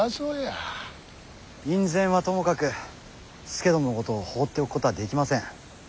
院宣はともかく佐殿のことを放っておくことはできません。